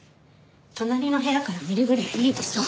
隣の部屋から見るぐらいいいでしょ。